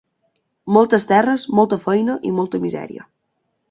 Moltes terres, molta feina i molta misèria.